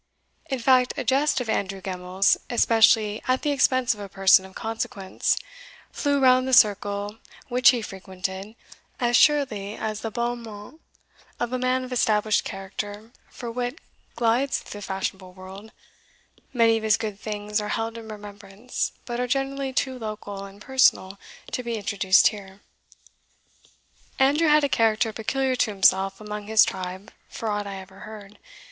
In fact, a jest of Andrew Gemmells, especially at the expense of a person of consequence, flew round the circle which he frequented, as surely as the bon mot of a man of established character for wit glides through the fashionable world, Many of his good things are held in remembrance, but are generally too local and personal to be introduced here. Andrew had a character peculiar to himself among his tribe for aught I ever heard.